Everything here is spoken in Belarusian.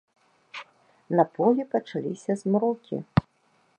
На полі пачаліся змрокі.